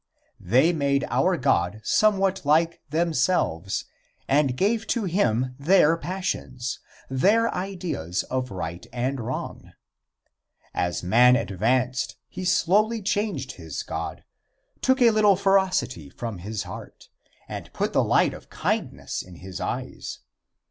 They made our God somewhat like themselves, and gave to him their passions, their ideas of right and wrong. As man advanced he slowly changed his God took a little ferocity from his heart, and put the light of kindness in his eyes.